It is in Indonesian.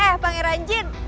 eh pangeran jin